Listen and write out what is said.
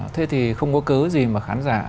thế thì không có cớ gì mà khán giả